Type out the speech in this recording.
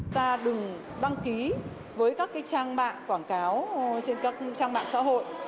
ta đừng đăng ký với các trang mạng quảng cáo trên các trang mạng xã hội